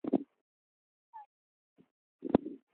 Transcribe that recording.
Iyanyoga ji